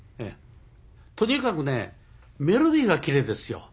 とにかくねメロディーがきれいですよ。